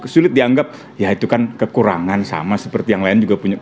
sulit dianggap ya itu kan kekurangan sama seperti yang lain juga punya